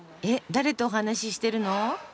誰とお話ししてるの？